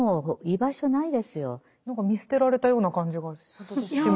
何か見捨てられたような感じがしますよね。